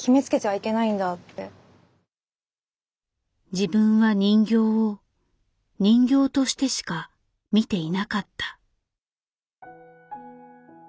自分は人形を人形としてしか見ていなかった。